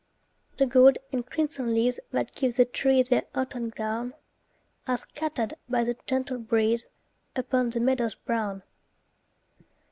The gold and crimson leaves that give The trees their autumn gown, Are scattered by the gentle breeze Upon the meadows brown.